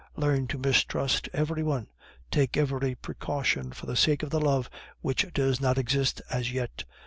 Learn to mistrust every one; take every precaution for the sake of the love which does not exist as yet.